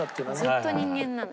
ずっと人間なんで。